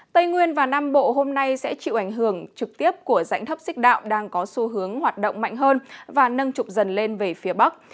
tây nguyên và nam bộ hôm nay sẽ chịu ảnh hưởng trực tiếp của rãnh thấp xích đạo đang có xu hướng hoạt động mạnh hơn và nâng trục dần lên về phía bắc